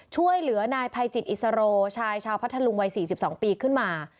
ช่วยเหลือนายภัยจิตอิสโรชายชาวพัทธลุงวัย๔๒ปีขึ้นมา